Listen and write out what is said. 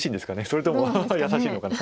それとも優しいのかな。